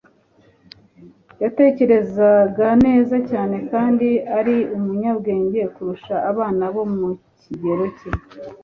yatekerezaga neza cyane kandi ari umunyabwenge kurusha abana bo mu kigero cye.